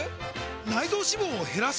内臓脂肪を減らす！？